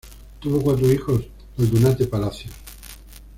Tuvo cuatro hijos Aldunate Palacios.